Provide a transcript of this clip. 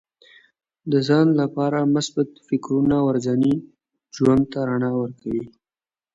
د ځان لپاره مثبت فکرونه ورځني ژوند ته رڼا ورکوي.